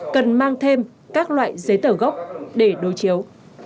cần mang thêm các loại giấy tờ gốc để đối chiếu